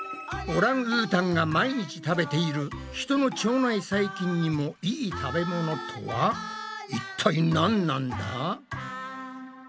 オランウータンが毎日食べている人の腸内細菌にもいい食べ物とは一体なんなんだ？